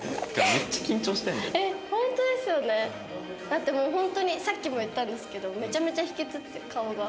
だってもうホントにさっきも言ったんですけどめちゃめちゃ引きつってる顔が。